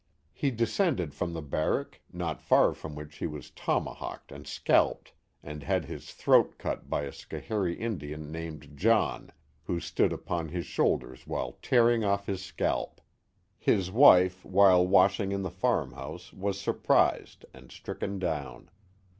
He descended from the barrack, not far from which he was tomahawked and scalped, and had his throat cut by a Schoharie Indian named John, who stood upon his shoulders while tearing off his scalp. His wife, while washing in the farmhouse, was surprised and stricken down.